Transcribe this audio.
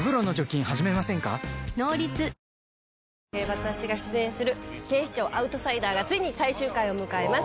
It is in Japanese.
私が出演する『警視庁アウトサイダー』がついに最終回を迎えます。